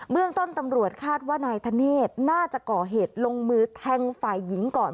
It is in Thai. เรื่องต้นตำรวจคาดว่านายธเนธน่าจะก่อเหตุลงมือแทงฝ่ายหญิงก่อน